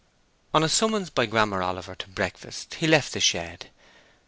On a summons by Grammer Oliver to breakfast, he left the shed.